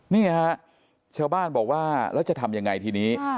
นี่ฮะชาวบ้านบอกว่าแล้วจะทำยังไงทีนี้